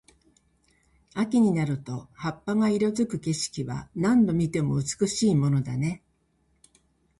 秋になると葉っぱが色付く景色は、何度見ても美しいものだね。